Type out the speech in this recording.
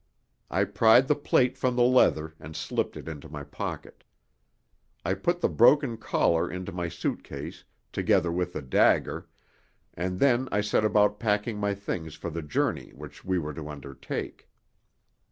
I pried the plate from the leather and slipped it into my pocket. I put the broken collar into my suitcase, together with the dagger, and then I set about packing my things for the journey which we were to undertake.